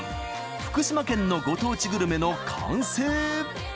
福島県のご当地グルメの完成。